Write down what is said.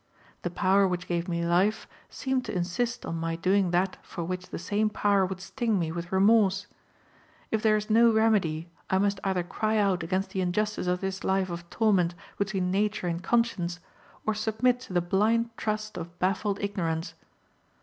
The power which gave me life seemed to insist on my doing that for which the same power would sting me with remorse. If there is no remedy I must either cry out against the injustice of this life of torment between nature and conscience, or submit to the blind trust of baffled ignorance.